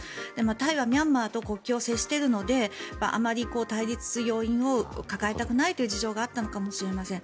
タイはミャンマーと国境を接しているのであまり対立する要因を抱えたくないという事情があったのかもしれません。